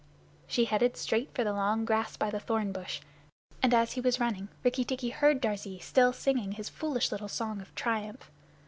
She headed straight for the long grass by the thorn bush, and as he was running Rikki tikki heard Darzee still singing his foolish little song of triumph.